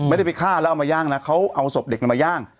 ไม่ได้ไปฆ่าแล้วเอามาย่างนะเขาเอาศพเด็กมาย่าง